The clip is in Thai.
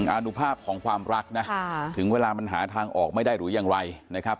อนุภาพของความรักนะถึงเวลามันหาทางออกไม่ได้หรือยังไรนะครับ